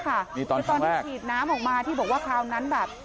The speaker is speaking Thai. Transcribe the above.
คือตอนที่ฉีดน้ำออกมาที่บอกว่าคราวนั้นแบบ